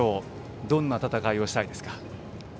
どんな戦いをしたいですか？